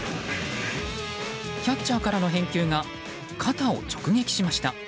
キャッチャーからの返球が肩を直撃しました。